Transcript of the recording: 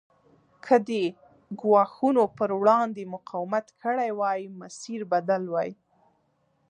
که دې ګواښونو پر وړاندې مقاومت کړی وای مسیر بدل وای.